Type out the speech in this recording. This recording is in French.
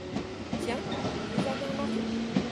Tiens ! vous avez un mari ?